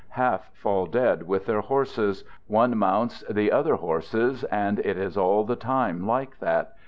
Half fall dead with their horses. One mounts the other horses, and it is all the time like that.